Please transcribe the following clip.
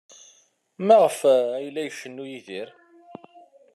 Maɣef ay la icennu Yidir?